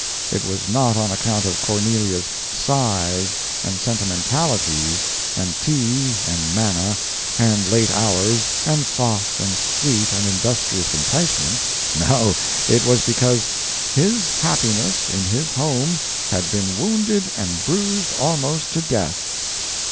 It was not on account of Cornelia's sighs and sentimentalities and tea and manna and late hours and soft and sweet and industrious enticements; no, it was because "his happiness in his home had been wounded and bruised almost to death."